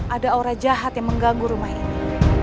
ada aura jahat yang mengganggu rumah ini